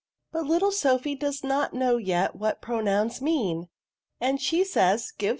But little Sophy does not know yet what pronouns mean ; and she c 3 so PRONOUNS.